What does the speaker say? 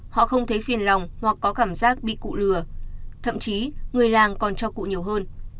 họ không thấy phiền lòng hoặc có cảm giác bị cụ lừa thậm chí người làng còn cho cụ nhiều hơn